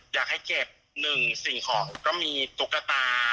อยากให้เก็บหนึ่งสิ่งของก็มีตุ๊กตา